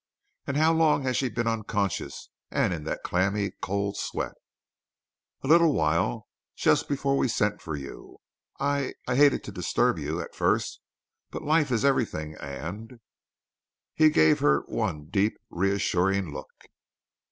"And how long has she been unconscious and in that clammy, cold sweat?" "A little while; just before we sent for you. I I hated to disturb you at first, but life is everything, and " He gave her one deep, reassuring look.